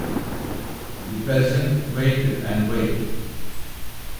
The peasant waited and waited.